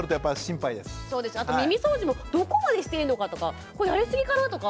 あと耳そうじもどこまでしていいのかとかこれやりすぎかなとか。